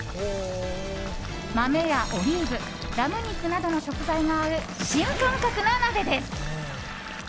豆やオリーブ、ラム肉などの食材が合う新感覚な鍋です。